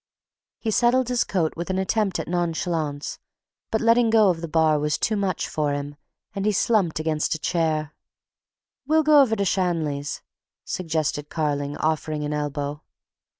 He settled his coat with an attempt at nonchalance, but letting go of the bar was too much for him, and he slumped against a chair. "We'll go over to Shanley's," suggested Carling, offering an elbow.